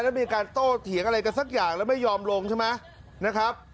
แล้วมีการโต้เถียงอะไรกันสักอย่างแล้วไม่ยอมลงใช่ไหมนะครับ